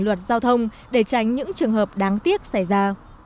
luật giao thông để tránh những trường hợp đáng tiếc xảy ra